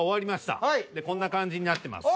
こんな感じになってます。